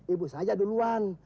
ibu saja duluan